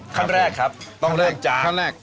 ขั้นแรกครับต้องเริ่มจากขั้นแรก